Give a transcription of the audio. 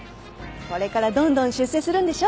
これからどんどん出世するんでしょ。